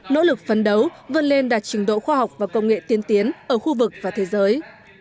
nỗ lực phấn đấu vươn lên đạt trình độ khoa học và công nghệ tiên tiến ở khu vực và thế giới